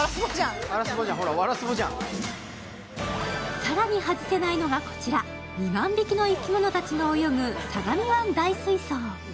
更に外せないのがこちら、２万匹の生き物たちが泳ぐ相模湾大水槽。